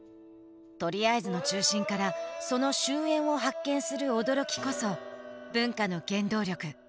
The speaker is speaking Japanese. とりあえずの中心からその周縁を発見する驚きこそ文化の原動力。